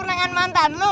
turnangan mantan lu